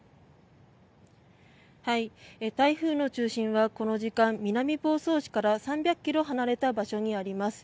台風の中心はこの時間南房総市から３００ｋｍ離れた場所にあります。